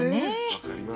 分かります。